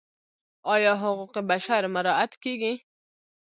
آیا حقوق بشر مراعات کیږي؟